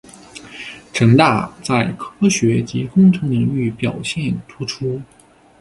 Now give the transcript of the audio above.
城大在科学及工程领域表现突出。